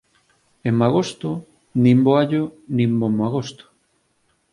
En agosto, nin bo allo nin bo magosto.